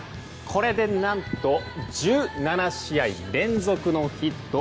これで何と１７試合連続のヒット。